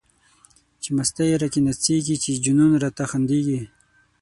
چی مستی را کی نڅيږی، چی جنون را ته خنديږی